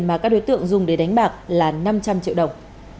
mà các đối tượng dùng để đánh bạc là năm trăm linh triệu đồng